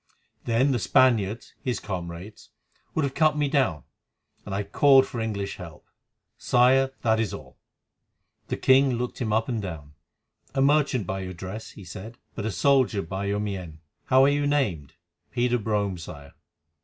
Then the Spaniards—his comrades—would have cut me down, and I called for English help. Sire, that is all." The king looked him up and down. "A merchant by your dress," he said; "but a soldier by your mien. How are you named?" "Peter Brome, Sire."